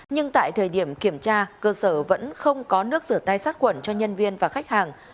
nhưng tại thời điểm kiểm tra cơ sở vẫn không có nước rửa tay sát quẩn cho nhân viên và khách hàng